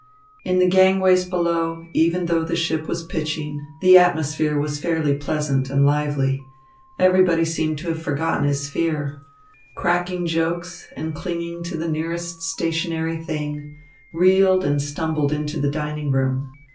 In the gangways below, even though the ship was pitching, the atmosphere was fairly pleasant and lively. Everybody seemed to have forgotten his fear. The passengers, cracking jokes and clinging to the nearest stationary thing, reeled and stumbled into the dining room.